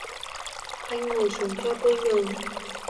Anh ngồi xuống cho tôi nhờ